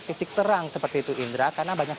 titik terang seperti itu indra karena banyak